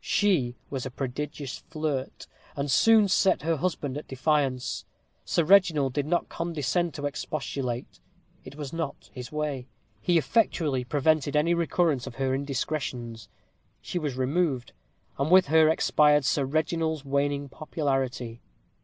She was a prodigious flirt, and soon set her husband at defiance. Sir Reginald did not condescend to expostulate. It was not his way. He effectually prevented any recurrence of her indiscretions. She was removed, and with her expired Sir Reginald's waning popularity.